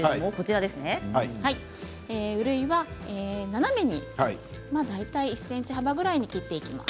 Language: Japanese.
うるいは斜めに大体１ｃｍ幅ぐらいに切っていきます。